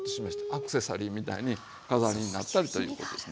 アクセサリーみたいに飾りになったりということですね。